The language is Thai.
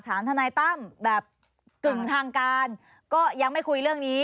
ทนายตั้มแบบกึ่งทางการก็ยังไม่คุยเรื่องนี้